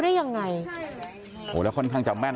เพื่อนบ้านเจ้าหน้าที่อำรวจกู้ภัย